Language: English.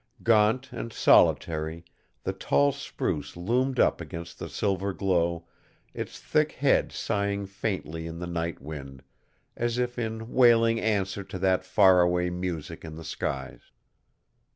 Gaunt and solitary, the tall spruce loomed up against the silver glow, its thick head sighing faintly in the night wind, as if in wailing answer to that far away music in the skies.